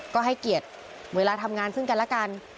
ก็ให้เกียรติเวลาทำงานซึ่งกันแล้วกัน